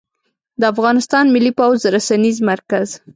د افغانستان ملى پوځ رسنيز مرکز